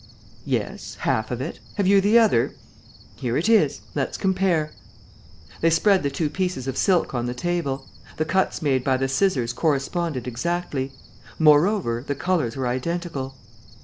"Yes, half of it. Have you the other?" "Here it is. Let's compare." They spread the two pieces of silk on the table. The cuts made by the scissors corresponded exactly. Moreover, the colours were identical.